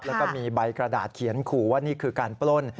แล้วก็มีใบกระดาษเขียนขู่ว่านี่คือการปล้น